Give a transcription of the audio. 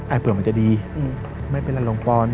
เผื่อมันจะดีไม่เป็นไรลงปอน